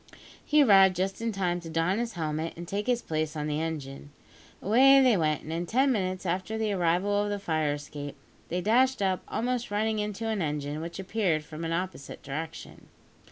He arrived just in time to don his helmet and take his place on the engine. Away they went, and in ten minutes after the arrival of the fire escape, they dashed up, almost running into an engine which appeared from an opposite direction.